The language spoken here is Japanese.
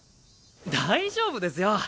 大丈夫ですよ。